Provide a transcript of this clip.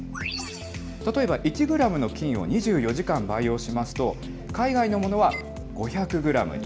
例えば１グラムの菌を２４時間培養しますと、海外のものは５００グラム。